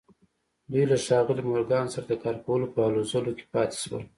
دوی له ښاغلي مورګان سره د کار کولو په هلو ځلو کې پاتې شول